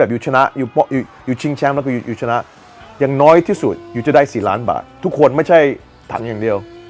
อย่างน้อยที่สุดจะได้๔ล้านบาททุกคนไม่ใช่ทั้งอย่างเดียว